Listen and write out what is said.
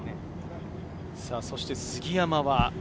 そして杉山は。